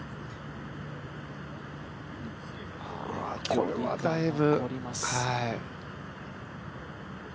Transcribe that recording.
これはだいぶ。